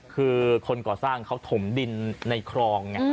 คือคนก่อสร้างเขาถมดินในครองไง